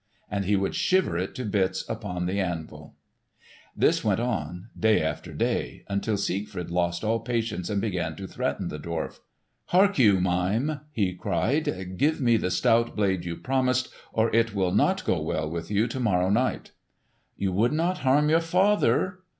And he would shiver it to bits upon the anvil. This went on day after day, until Siegfried lost all patience and began to threaten the dwarf. "Hark you, Mime!" he cried. "Give me the stout blade you promised, or it will not go well with you to morrow night." "You would not harm your father!"